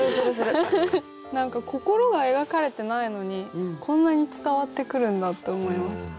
何か心が描かれてないのにこんなに伝わってくるんだって思います。